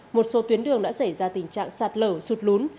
một số tuyến đường đã xảy ra tình trạng sạt lở sụt lún